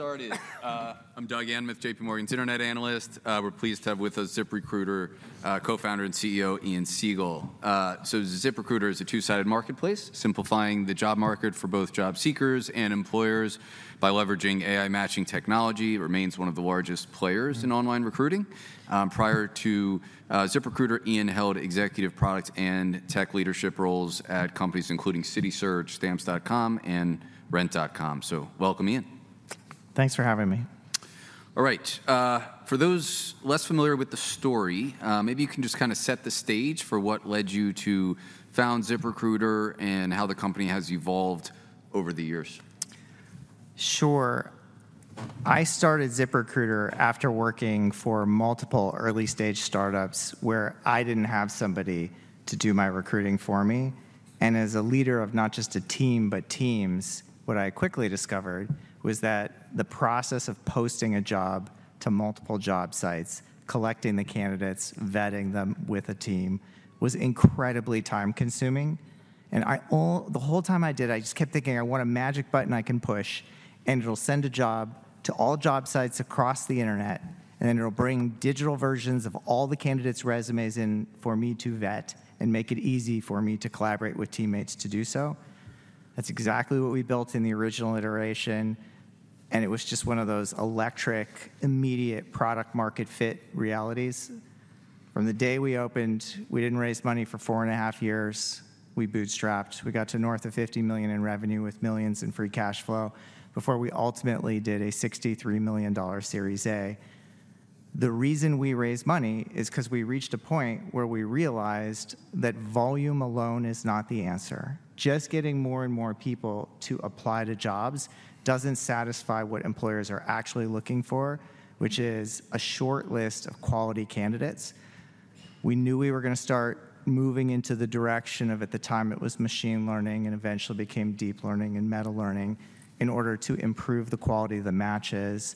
Get started. I'm Doug Anmuth, J.P. Morgan's Internet Analyst. We're pleased to have with us ZipRecruiter, Co-Founder and CEO, Ian Siegel. So ZipRecruiter is a two-sided marketplace, simplifying the job market for both job seekers and employers by leveraging AI-matching technology. It remains one of the largest players in online recruiting. Prior to ZipRecruiter, Ian held executive, product, and tech leadership roles at companies including CitySearch, Stamps.com, and Rent.com. So welcome, Ian. Thanks for having me. All right. For those less familiar with the story, maybe you can just kinda set the stage for what led you to found ZipRecruiter and how the company has evolved over the years. Sure. I started ZipRecruiter after working for multiple early-stage startups where I didn't have somebody to do my recruiting for me. And as a leader of not just a team, but teams, what I quickly discovered was that the process of posting a job to multiple job sites, collecting the candidates, vetting them with a team, was incredibly time-consuming. And the whole time I did, I just kept thinking, "I want a magic button I can push, and it'll send a job to all job sites across the internet, and it'll bring digital versions of all the candidates' resumes in for me to vet and make it easy for me to collaborate with teammates to do so." That's exactly what we built in the original iteration, and it was just one of those electric, immediate product-market fit realities. From the day we opened, we didn't raise money for four and a half years. We bootstrapped. We got to north of $50 million in revenue, with millions in free cash flow, before we ultimately did a $63 million Series A. The reason we raised money is 'cause we reached a point where we realized that volume alone is not the answer. Just getting more and more people to apply to jobs doesn't satisfy what employers are actually looking for, which is a short list of quality candidates. We knew we were gonna start moving into the direction of, at the time, it was machine learning and eventually became deep learning and meta learning, in order to improve the quality of the matches.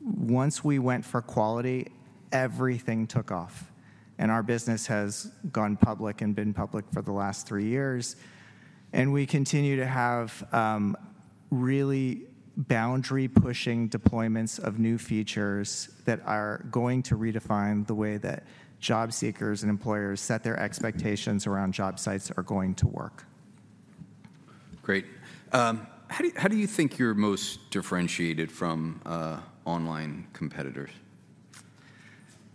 Once we went for quality, everything took off, and our business has gone public and been public for the last three years, and we continue to have really boundary-pushing deployments of new features that are going to redefine the way that job seekers and employers set their expectations around job sites are going to work. Great. How do you, how do you think you're most differentiated from online competitors?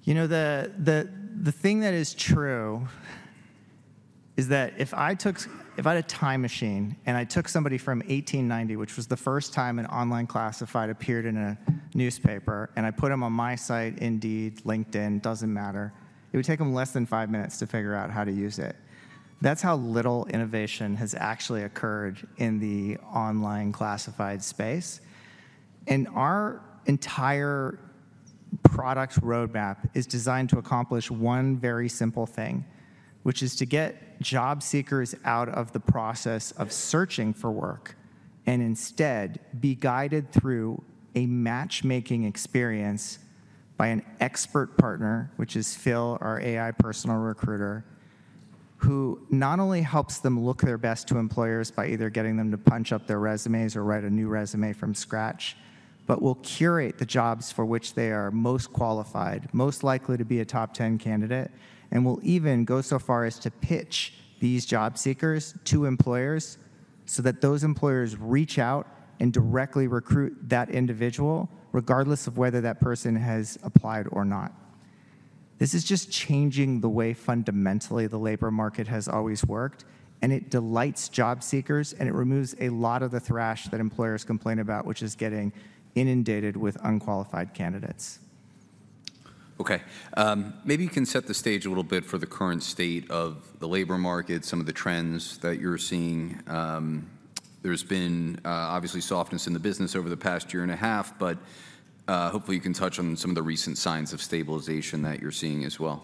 You know, the thing that is true is that if I had a time machine, and I took somebody from 1890, which was the first time an online classified appeared in a newspaper, and I put them on my site, Indeed, LinkedIn, doesn't matter, it would take them less than five minutes to figure out how to use it. That's how little innovation has actually occurred in the online classified space. Our entire product roadmap is designed to accomplish one very simple thing, which is to get job seekers out of the process of searching for work and instead be guided through a matchmaking experience by an expert partner, which is Phil, our AI personal recruiter, who not only helps them look their best to employers by either getting them to punch up their resumes or write a new resume from scratch, but will curate the jobs for which they are most qualified, most likely to be a top-ten candidate, and will even go so far as to pitch these job seekers to employers so that those employers reach out and directly recruit that individual, regardless of whether that person has applied or not. This is just changing the way, fundamentally, the labor market has always worked, and it delights job seekers, and it removes a lot of the thrash that employers complain about, which is getting inundated with unqualified candidates. Okay, maybe you can set the stage a little bit for the current state of the labor market, some of the trends that you're seeing. There's been, obviously softness in the business over the past year and a half, but, hopefully, you can touch on some of the recent signs of stabilization that you're seeing as well.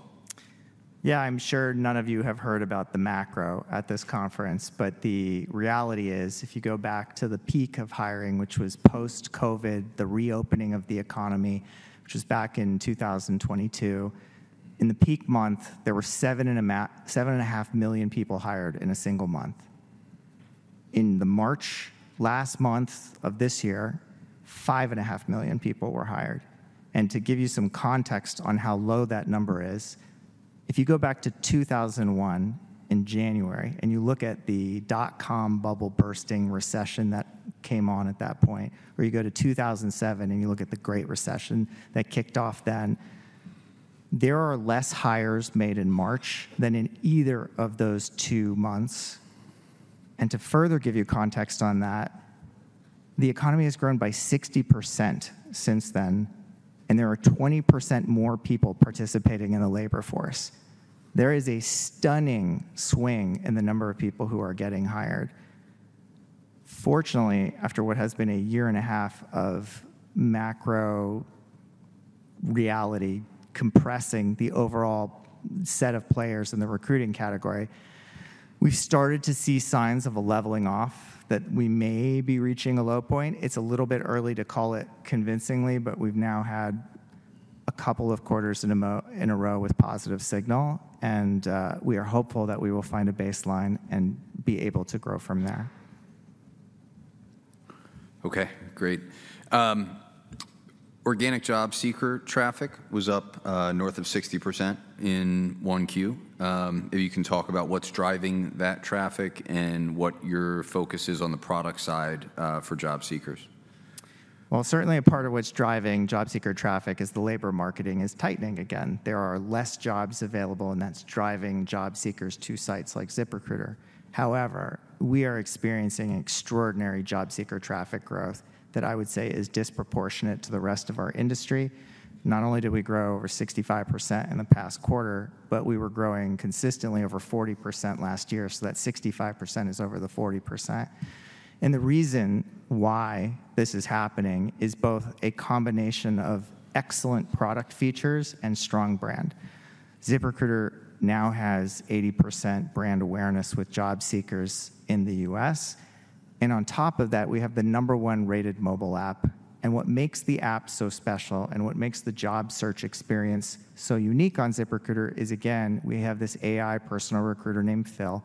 Yeah, I'm sure none of you have heard about the macro at this conference. But the reality is, if you go back to the peak of hiring, which was post-COVID, the reopening of the economy, which was back in 2022, in the peak month, there were 7.5 million people hired in a single month. In March last month of this year, 5.5 million people were hired. And to give you some context on how low that number is, if you go back to 2001, in January, and you look at the dot-com bubble-bursting recession that came on at that point, or you go to 2007, and you look at the Great Recession that kicked off then, there are less hires made in March than in either of those two months. And to further give you context on that, the economy has grown by 60% since then, and there are 20% more people participating in the labor force. There is a stunning swing in the number of people who are getting hired. Fortunately, after what has been a year and a half of macro reality, compressing the overall set of players in the recruiting category, we've started to see signs of a leveling off, that we may be reaching a low point. It's a little bit early to call it convincingly, but we've now had a couple of quarters in a row with positive signal, and we are hopeful that we will find a baseline and be able to grow from there. Okay, great. Organic job seeker traffic was up north of 60% in 1Q. If you can talk about what's driving that traffic and what your focus is on the product side for job seekers? Well, certainly a part of what's driving job seeker traffic is the labor market is tightening again. There are less jobs available, and that's driving job seekers to sites like ZipRecruiter. However, we are experiencing extraordinary job seeker traffic growth that I would say is disproportionate to the rest of our industry. Not only did we grow over 65% in the past quarter, but we were growing consistently over 40% last year, so that 65% is over the 40%. The reason why this is happening is both a combination of excellent product features and strong brand. ZipRecruiter now has 80% brand awareness with job seekers in the U.S., and on top of that, we have the number one-rated mobile app. What makes the app so special, and what makes the job search experience so unique on ZipRecruiter, is again, we have this AI personal recruiter named Phil,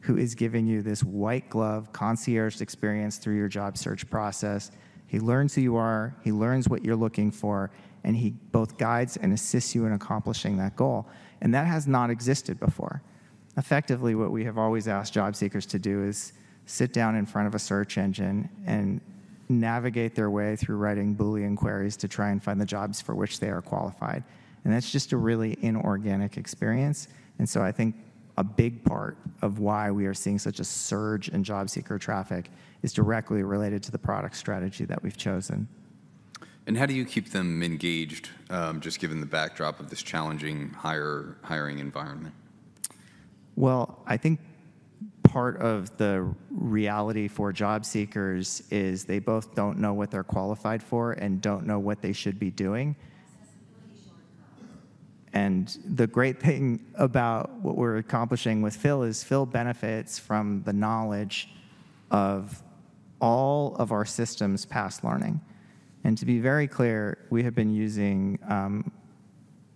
who is giving you this white-glove, concierge experience through your job search process. He learns who you are, he learns what you're looking for, and he both guides and assists you in accomplishing that goal, and that has not existed before. Effectively, what we have always asked job seekers to do is sit down in front of a search engine and navigate their way through writing Boolean queries to try and find the jobs for which they are qualified, and that's just a really inorganic experience. So I think a big part of why we are seeing such a surge in job seeker traffic is directly related to the product strategy that we've chosen. How do you keep them engaged, just given the backdrop of this challenging hiring environment? Well, I think part of the reality for job seekers is they both don't know what they're qualified for and don't know what they should be doing. And the great thing about what we're accomplishing with Phil is Phil benefits from the knowledge of all of our systems' past learning. And to be very clear, we have been using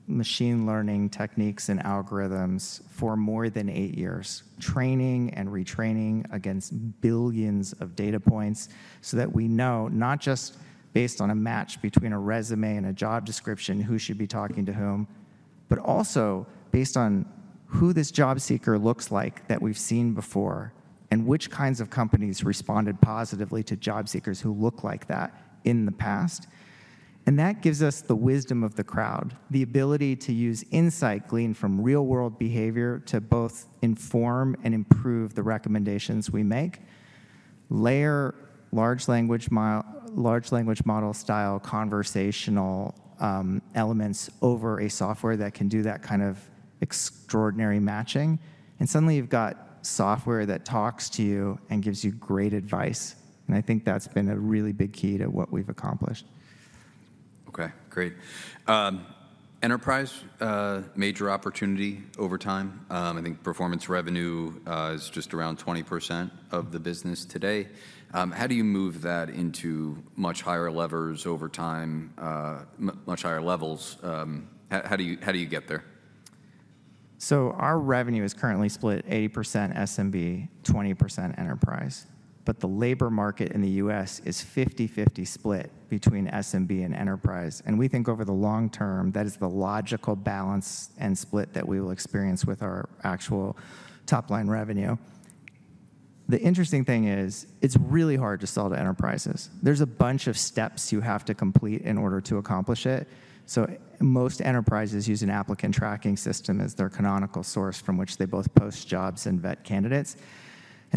machine learning techniques and algorithms for more than eight years, training and retraining against billions of data points, so that we know, not just based on a match between a resume and a job description, who should be talking to whom, but also based on who this job seeker looks like that we've seen before, and which kinds of companies responded positively to job seekers who look like that in the past. And that gives us the wisdom of the crowd, the ability to use insight gleaned from real-world behavior to both inform and improve the recommendations we make, layer large language model-style conversational elements over a software that can do that kind of extraordinary matching, and suddenly you've got software that talks to you and gives you great advice, and I think that's been a really big key to what we've accomplished. Okay, great. Enterprise, major opportunity over time. I think performance revenue is just around 20% of the business today. How do you move that into much higher levers over time, much higher levels? How do you get there? So our revenue is currently split 80% SMB, 20% enterprise, but the labor market in the U.S. is 50/50 split between SMB and enterprise, and we think over the long term, that is the logical balance and split that we will experience with our actual top-line revenue. The interesting thing is, it's really hard to sell to enterprises. There's a bunch of steps you have to complete in order to accomplish it, so most enterprises use an applicant tracking system as their canonical source from which they both post jobs and vet candidates.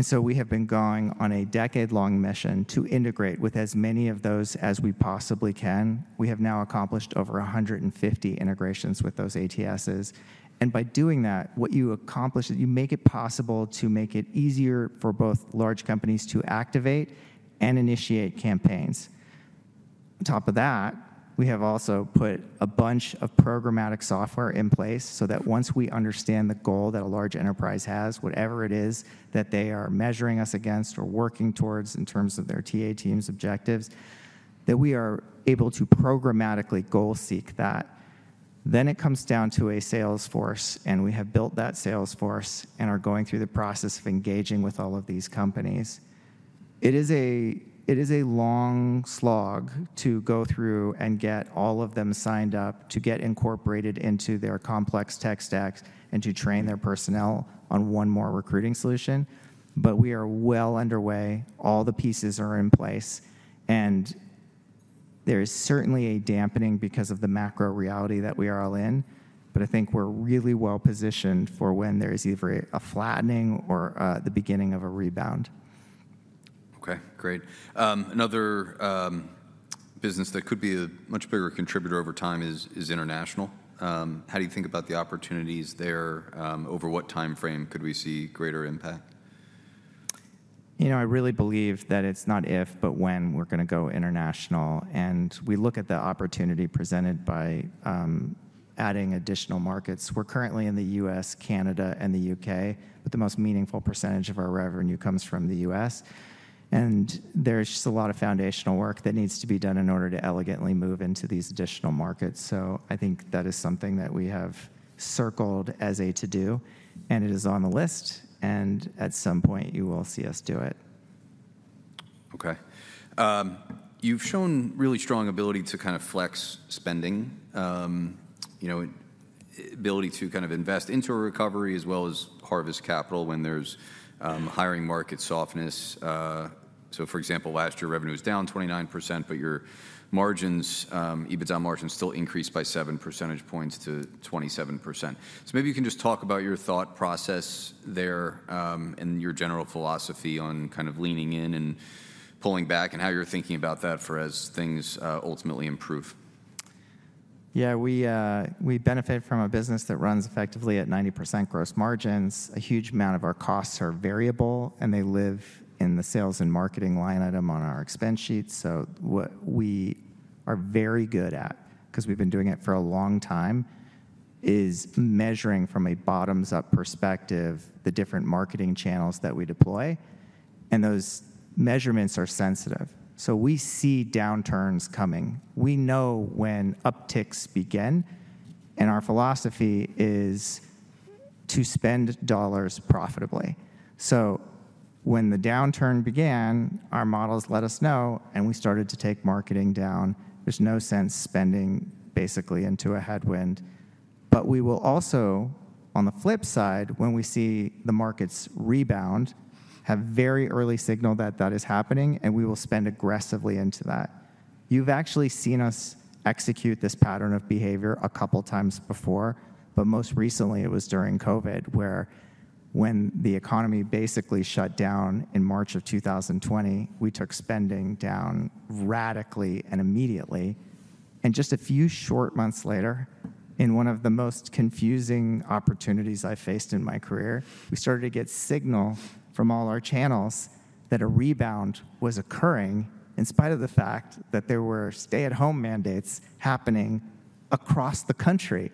So we have been going on a decade-long mission to integrate with as many of those as we possibly can. We have now accomplished over 150 integrations with those ATSs, and by doing that, what you accomplish is you make it possible to make it easier for both large companies to activate and initiate campaigns. On top of that, we have also put a bunch of programmatic software in place so that once we understand the goal that a large enterprise has, whatever it is that they are measuring us against or working towards in terms of their TA team's objectives, that we are able to programmatically goal seek that. Then it comes down to a sales force, and we have built that sales force, and are going through the process of engaging with all of these companies. It is a long slog to go through and get all of them signed up to get incorporated into their complex tech stacks, and to train their personnel on one more recruiting solution. But we are well underway. All the pieces are in place, and there is certainly a dampening because of the macro reality that we are all in, but I think we're really well-positioned for when there is either a flattening or the beginning of a rebound. Okay, great. Another business that could be a much bigger contributor over time is international. How do you think about the opportunities there? Over what timeframe could we see greater impact? You know, I really believe that it's not if, but when we're gonna go international, and we look at the opportunity presented by adding additional markets. We're currently in the U.S., Canada, and the U.K., but the most meaningful percentage of our revenue comes from the U.S., and there's just a lot of foundational work that needs to be done in order to elegantly move into these additional markets. So I think that is something that we have circled as a to-do, and it is on the list, and at some point, you will see us do it. Okay. You've shown really strong ability to kind of flex spending, you know, ability to kind of invest into a recovery as well as harvest capital when there's hiring market softness. So for example, last year, revenue was down 29%, but your margins, EBITDA margins still increased by seven percentage points to 27%. So maybe you can just talk about your thought process there, and your general philosophy on kind of leaning in and pulling back, and how you're thinking about that for as things ultimately improve. Yeah, we benefit from a business that runs effectively at 90% gross margins. A huge amount of our costs are variable, and they live in the sales and marketing line item on our expense sheets. So what we are very good at, 'cause we've been doing it for a long time, is measuring from a bottoms-up perspective, the different marketing channels that we deploy, and those measurements are sensitive. So we see downturns coming. We know when upticks begin, and our philosophy is to spend dollars profitably. So when the downturn began, our models let us know, and we started to take marketing down. There's no sense spending basically into a headwind. But we will also, on the flip side, when we see the markets rebound, have very early signal that that is happening, and we will spend aggressively into that. You've actually seen us execute this pattern of behavior a couple times before, but most recently, it was during COVID, where when the economy basically shut down in March 2020, we took spending down radically and immediately. And just a few short months later, in one of the most confusing opportunities I faced in my career, we started to get signal from all our channels that a rebound was occurring, in spite of the fact that there were stay-at-home mandates happening across the country.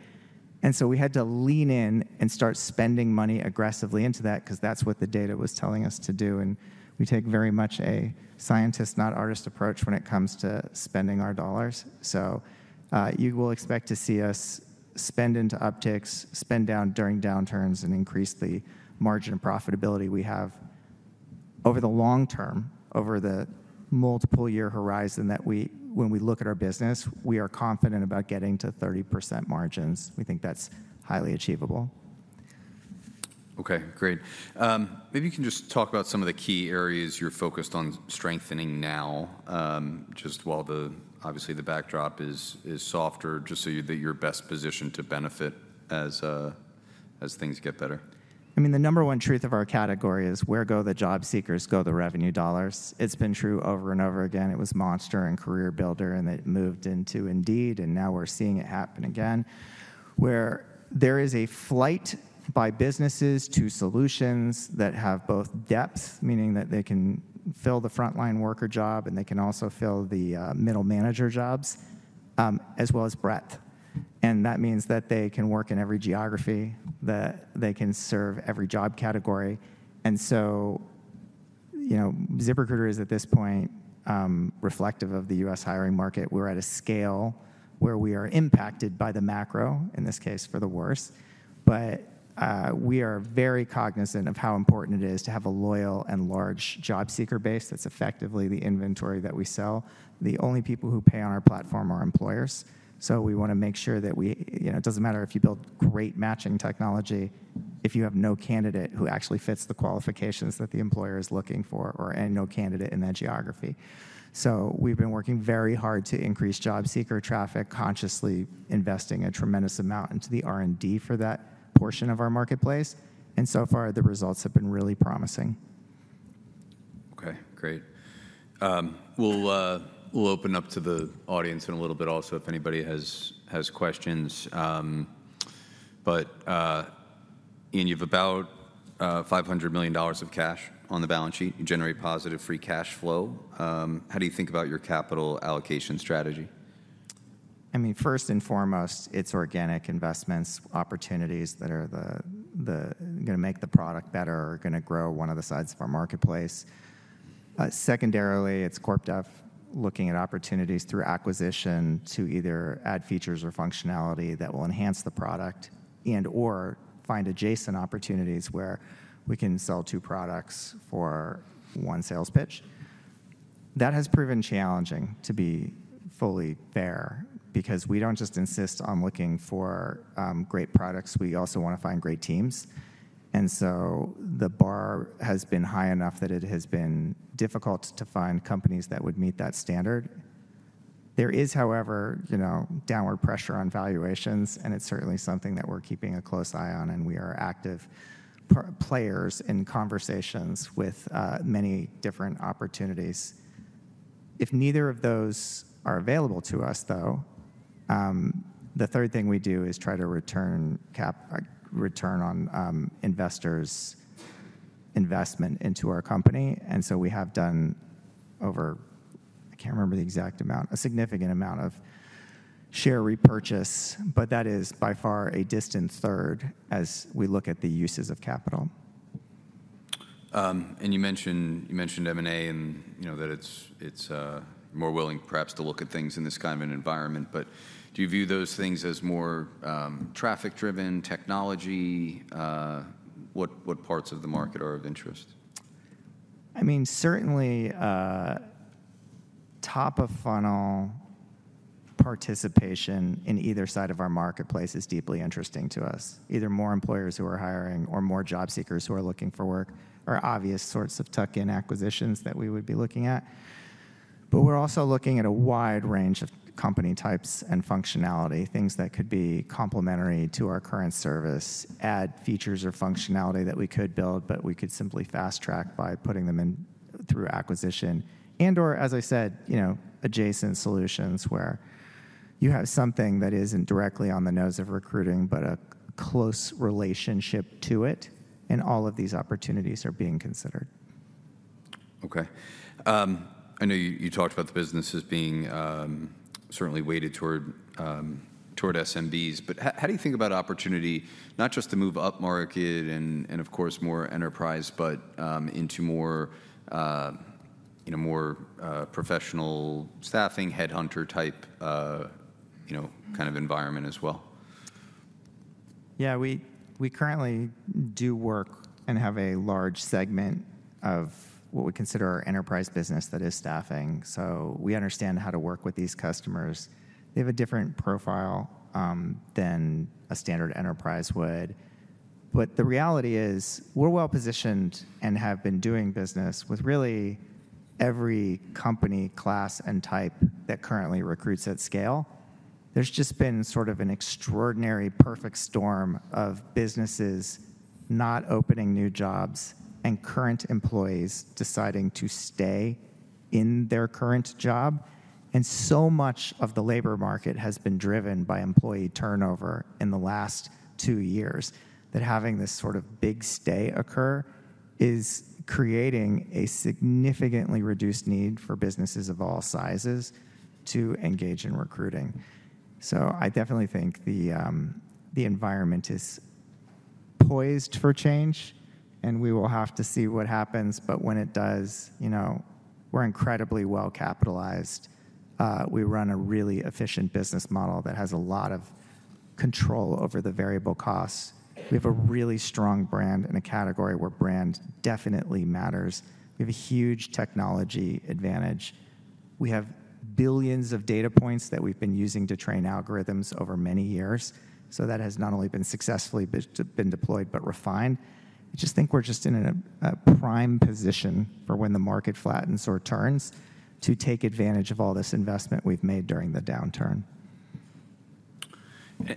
And so we had to lean in and start spending money aggressively into that, 'cause that's what the data was telling us to do, and we take very much a scientist, not artist, approach when it comes to spending our dollars. You will expect to see us spend into upticks, spend down during downturns, and increase the margin of profitability we have. Over the long term, over the multiple year horizon that when we look at our business, we are confident about getting to 30% margins. We think that's highly achievable. Okay, great. Maybe you can just talk about some of the key areas you're focused on strengthening now, just while the, obviously, the backdrop is softer, just so that you're best positioned to benefit as things get better. I mean, the number one truth of our category is, where go the job seekers, go the revenue dollars. It's been true over and over again. It was Monster and CareerBuilder, and it moved into Indeed, and now we're seeing it happen again, where there is a flight by businesses to solutions that have both depth, meaning that they can fill the frontline worker job, and they can also fill the middle manager jobs, as well as breadth. That means that they can work in every geography, that they can serve every job category. So, you know, ZipRecruiter is, at this point, reflective of the U.S. hiring market. We're at a scale where we are impacted by the macro, in this case, for the worse. But we are very cognizant of how important it is to have a loyal and large job seeker base. That's effectively the inventory that we sell. The only people who pay on our platform are employers, so we wanna make sure that we... You know, it doesn't matter if you build great matching technology, if you have no candidate who actually fits the qualifications that the employer is looking for, or, and no candidate in that geography. So we've been working very hard to increase job seeker traffic, consciously investing a tremendous amount into the R&D for that portion of our marketplace, and so far, the results have been really promising. Okay, great. We'll open up to the audience in a little bit also, if anybody has questions. But Ian, you've about $500 million of cash on the balance sheet. You generate positive free cash flow. How do you think about your capital allocation strategy? I mean, first and foremost, it's organic investments, opportunities that are gonna make the product better or gonna grow one of the sides of our marketplace. Secondarily, it's corp dev, looking at opportunities through acquisition to either add features or functionality that will enhance the product, and/or find adjacent opportunities where we can sell two products for one sales pitch. That has proven challenging, to be fully fair, because we don't just insist on looking for great products, we also wanna find great teams. And so the bar has been high enough that it has been difficult to find companies that would meet that standard. There is, however, you know, downward pressure on valuations, and it's certainly something that we're keeping a close eye on, and we are active players in conversations with many different opportunities. If neither of those are available to us, though, the third thing we do is try to return return on investors' investment into our company, and so we have done over, I can't remember the exact amount, a significant amount of share repurchase, but that is by far a distant third as we look at the uses of capital. And you mentioned, you mentioned M&A, and, you know, that it's, it's more willing perhaps to look at things in this kind of an environment. But do you view those things as more traffic-driven, technology? What, what parts of the market are of interest? I mean, certainly, top-of-funnel participation in either side of our marketplace is deeply interesting to us. Either more employers who are hiring or more job seekers who are looking for work are obvious sorts of tuck-in acquisitions that we would be looking at. But we're also looking at a wide range of company types and functionality, things that could be complementary to our current service, add features or functionality that we could build, but we could simply fast-track by putting them in through acquisition and/or, as I said, you know, adjacent solutions, where you have something that isn't directly on the nose of recruiting, but a close relationship to it, and all of these opportunities are being considered. Okay. I know you talked about the business as being certainly weighted toward SMBs, but how do you think about opportunity, not just to move upmarket and of course more enterprise, but into more, you know, more, you know, kind of environment as well? Yeah, we currently do work and have a large segment of what we consider our enterprise business that is staffing, so we understand how to work with these customers. They have a different profile than a standard enterprise would, but the reality is we're well-positioned and have been doing business with really every company, class, and type that currently recruits at scale. There's just been sort of an extraordinary perfect storm of businesses not opening new jobs and current employees deciding to stay in their current job, and so much of the labor market has been driven by employee turnover in the last two years, that having this sort of Big Stay occur is creating a significantly reduced need for businesses of all sizes to engage in recruiting. So I definitely think the environment is poised for change, and we will have to see what happens, but when it does, you know, we're incredibly well-capitalized. We run a really efficient business model that has a lot of control over the variable costs. We have a really strong brand in a category where brand definitely matters. We have a huge technology advantage. We have billions of data points that we've been using to train algorithms over many years, so that has not only been successfully been deployed, but refined. I just think we're just in a prime position for when the market flattens or turns, to take advantage of all this investment we've made during the downturn.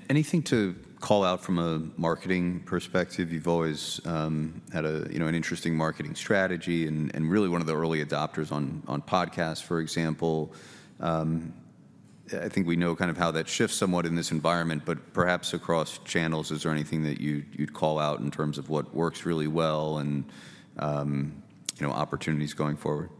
Anything to call out from a marketing perspective? You've always had a you know an interesting marketing strategy and and really one of the early adopters on on podcasts, for example. I think we know kind of how that shifts somewhat in this environment, but perhaps across channels, is there anything that you'd you'd call out in terms of what works really well and you know opportunities going forward?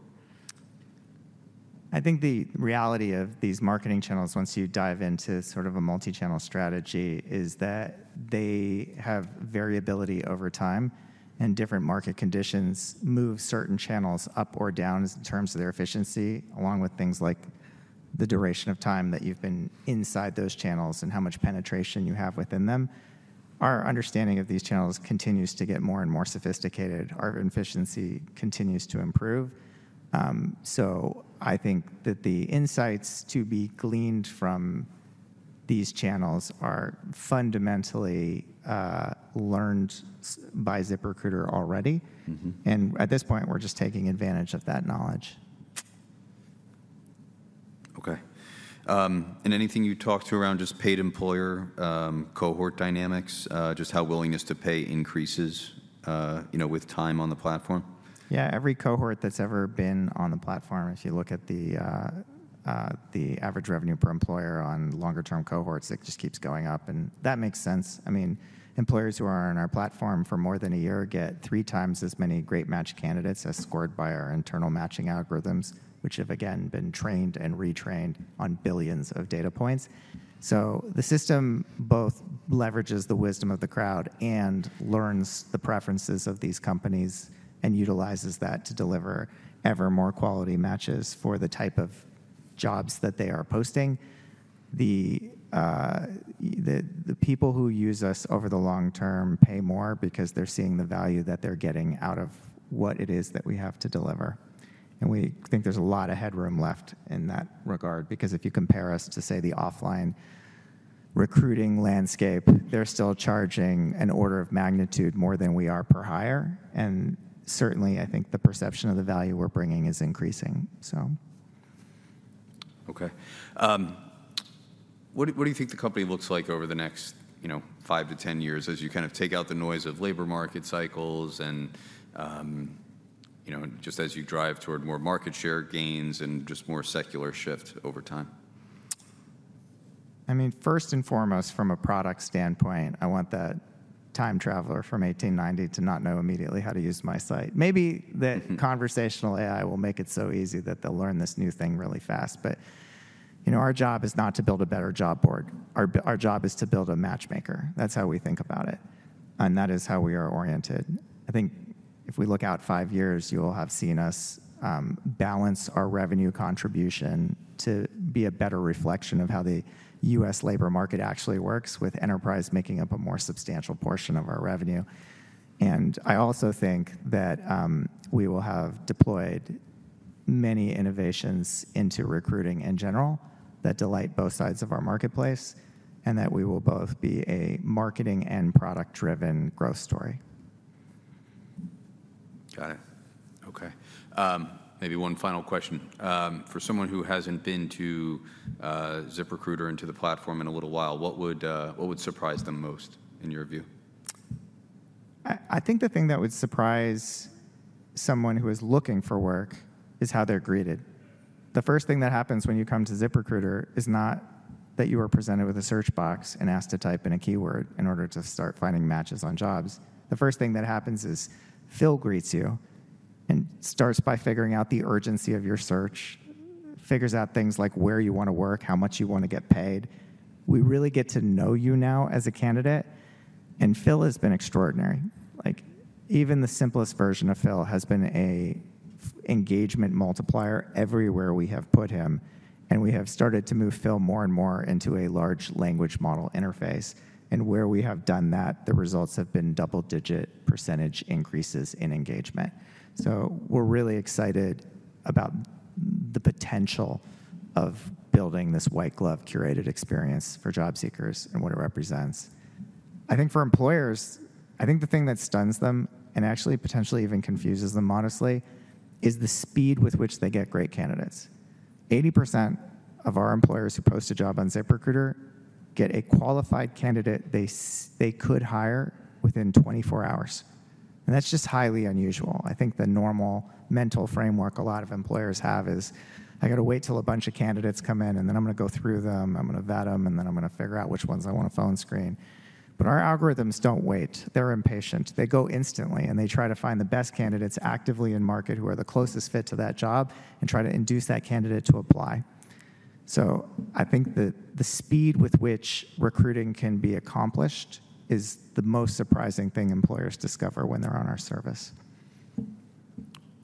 I think the reality of these marketing channels, once you dive into sort of a multi-channel strategy, is that they have variability over time, and different market conditions move certain channels up or down in terms of their efficiency, along with things like the duration of time that you've been inside those channels and how much penetration you have within them. Our understanding of these channels continues to get more and more sophisticated. Our efficiency continues to improve. So I think that the insights to be gleaned from these channels are fundamentally learned by ZipRecruiter already. Mm-hmm. At this point, we're just taking advantage of that knowledge. Okay. And anything you talked to around just paid employer cohort dynamics, just how willingness to pay increases, you know, with time on the platform? Yeah, every cohort that's ever been on the platform, if you look at the average revenue per employer on longer-term cohorts, it just keeps going up, and that makes sense. I mean, employers who are on our platform for more than a year get three times as many great match candidates as scored by our internal matching algorithms, which have, again, been trained and retrained on billions of data points. So the system both leverages the wisdom of the crowd and learns the preferences of these companies and utilizes that to deliver ever more quality matches for the type of jobs that they are posting. The people who use us over the long term pay more because they're seeing the value that they're getting out of what it is that we have to deliver, and we think there's a lot of headroom left in that regard because if you compare us to, say, the offline recruiting landscape, they're still charging an order of magnitude more than we are per hire, and certainly, I think the perception of the value we're bringing is increasing, so... Okay. What do you think the company looks like over the next five to 10 years as you kind of take out the noise of labor market cycles and, you know, just as you drive toward more market share gains and just more secular shift over time?... I mean, first and foremost, from a product standpoint, I want that time traveler from 1890 to not know immediately how to use my site. Maybe conversational AI will make it so easy that they'll learn this new thing really fast, but, you know, our job is not to build a better job board. Our job is to build a matchmaker. That's how we think about it, and that is how we are oriented. I think if we look out five years, you'll have seen us balance our revenue contribution to be a better reflection of how the U.S. labor market actually works, with enterprise making up a more substantial portion of our revenue. I also think that we will have deployed many innovations into recruiting in general that delight both sides of our marketplace, and that we will both be a marketing and product-driven growth story. Got it. Okay. Maybe one final question. For someone who hasn't been to ZipRecruiter and to the platform in a little while, what would what would surprise them most, in your view? I think the thing that would surprise someone who is looking for work is how they're greeted. The first thing that happens when you come to ZipRecruiter is not that you are presented with a search box and asked to type in a keyword in order to start finding matches on jobs. The first thing that happens is Phil greets you and starts by figuring out the urgency of your search, figures out things like where you wanna work, how much you wanna get paid. We really get to know you now as a candidate, and Phil has been extraordinary. Like, even the simplest version of Phil has been a engagement multiplier everywhere we have put him, and we have started to move Phil more and more into a large language model interface. And where we have done that, the results have been double-digit percentage increases in engagement. So we're really excited about the potential of building this white-glove, curated experience for job seekers and what it represents. I think for employers, I think the thing that stuns them, and actually potentially even confuses them, honestly, is the speed with which they get great candidates. 80% of our employers who post a job on ZipRecruiter get a qualified candidate they could hire within 24 hours, and that's just highly unusual. I think the normal mental framework a lot of employers have is, "I gotta wait till a bunch of candidates come in, and then I'm gonna go through them. I'm gonna vet 'em, and then I'm gonna figure out which ones I wanna phone screen." But our algorithms don't wait. They're impatient. They go instantly, and they try to find the best candidates actively in market who are the closest fit to that job and try to induce that candidate to apply. So I think that the speed with which recruiting can be accomplished is the most surprising thing employers discover when they're on our service.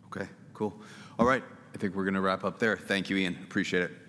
Okay, cool. All right, I think we're gonna wrap up there. Thank you, Ian. Appreciate it.